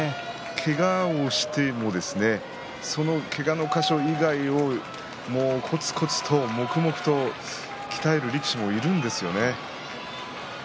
けがをしていてもそのけがの箇所以外をこつこつと黙々と鍛える力士もいるんですよね。